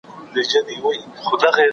د لويي جرګې غړي څنګه خپله رایه کاروي؟